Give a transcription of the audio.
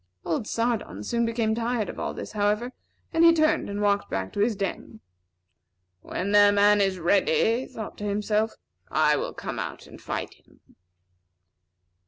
Old Sardon soon became tired of all this, however, and he turned and walked back to his den. "When their man is ready," he thought to himself, "I will come out and fight him."